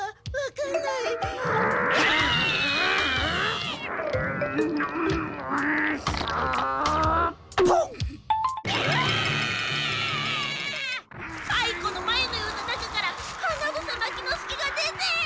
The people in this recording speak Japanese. かいこのマユのような中から花房牧之介が出て。